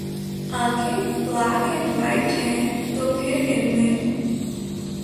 آنکھیں ’ black and white ‘ ہیں تو پھر ان میں